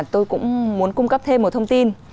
tôi cũng muốn cung cấp thêm một thông tin